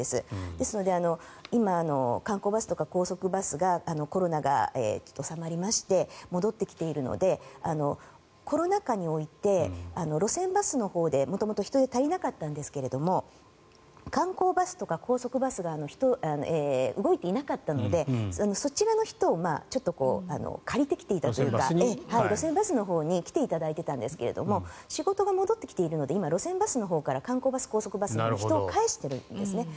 ですので、今観光バスとか高速バスがコロナが収まりまして戻ってきているのでコロナ禍において路線バスのほうで元々人手、足りなかったんですが観光バスとか高速バスが動いていなかったのでそちらの人をちょっと借りてきたというか路線バスのほうに来ていただいていたんですが仕事が戻ってきているので今、路線バスのほうから観光バス、高速バスに人を返しているんですね。